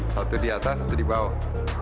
satu di atas satu di bawah